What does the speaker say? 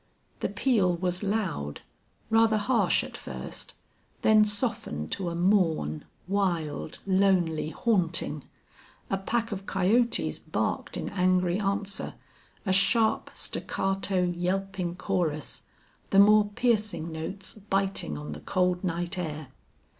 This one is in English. The peal was loud, rather harsh at first, then softened to a mourn, wild, lonely, haunting. A pack of coyotes barked in angry answer, a sharp, staccato, yelping chorus, the more piercing notes biting on the cold night air.